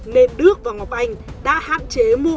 nên đức và ngọc anh đã hạn chế mua hóa đơn